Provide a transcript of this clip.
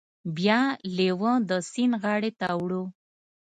بیا لیوه د سیند غاړې ته وړو.